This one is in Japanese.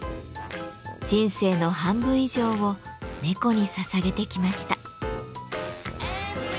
人生の半分以上を猫にささげてきました。